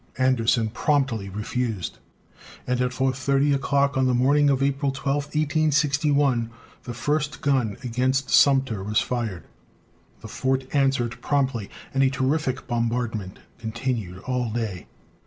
Anderson promptly refused, and at 4.30 o'clock on the morning of April 12, 1861, the first gun against Sumter was fired. The fort answered promptly, and a terrific bombardment continued all day.